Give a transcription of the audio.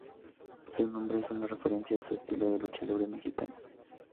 Su nombre es una referencia a su estilo de lucha libre mexicana.